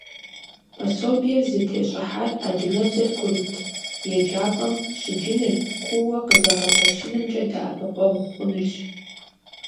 Пособиер зытещӀыхьар адыгэбзэр курыт еджапӀэм щыджыныр кууэ къызэгъэпэщынымкӀэ дэӀэпыкъуэгъу хъунырщ.